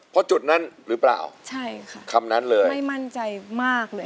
เพราะจุดนั้นหรือเปล่าคำนั้นเลยใช่ค่ะไม่มั่นใจมากเลย